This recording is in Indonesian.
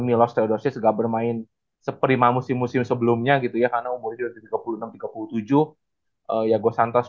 milos teodosic gak bermain seperima musim musim sebelumnya gitu ya karena umur tiga puluh enam tiga puluh tujuh ya gue santas